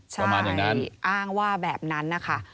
ใช่อ้างว่าแบบนั้นนะคะ